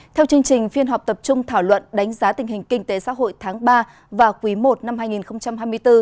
theo chương trình phiên họp tập trung thảo luận đánh giá tình hình kinh tế xã hội tháng ba và quý i năm hai nghìn hai mươi bốn